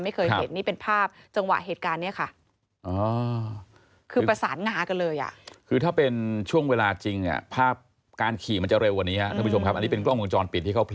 ไม่เคยเห็นนี่เป็นภาพจังหวะเหตุการณ์นี้ค่ะ